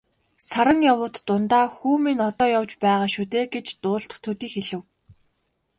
Саран явуут дундаа "Хүү минь одоо явж байгаа шүү дээ" гэж дуулдах төдий хэлэв.